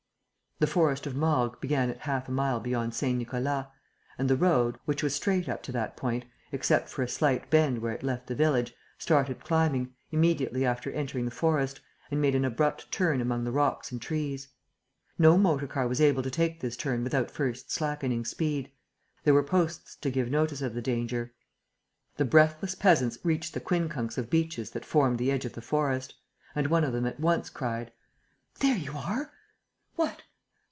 The Forest of Morgues began at half a mile beyond Saint Nicolas; and the road, which was straight up to that point, except for a slight bend where it left the village, started climbing, immediately after entering the forest, and made an abrupt turn among the rocks and trees. No motor car was able to take this turn without first slackening speed. There were posts to give notice of the danger. The breathless peasants reached the quincunx of beeches that formed the edge of the forest. And one of them at once cried: "There you are!" "What?"